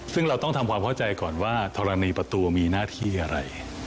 ซึ่งเราต้องทำความเข้าใจก่อนว่าธรณีประตูมีหน้าที่อะไร